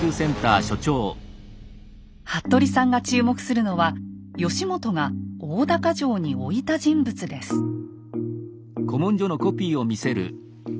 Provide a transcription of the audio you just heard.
服部さんが注目するのは義元が大高城に置いた人物です。